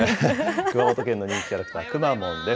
熊本県の人気キャラクター、くまモンです。